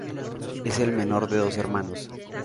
Es el menor de dos hermanos.